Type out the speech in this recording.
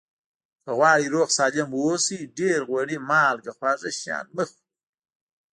که غواړئ روغ سالم اوسئ ډېر غوړي مالګه خواږه شیان مه خوری